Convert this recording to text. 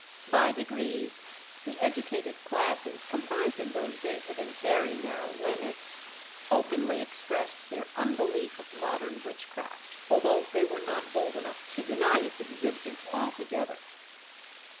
By degrees, the educated classes (comprised in those days within very narrow limits) openly expressed their unbelief of modern witchcraft, although they were not bold enough to deny its existence altogether.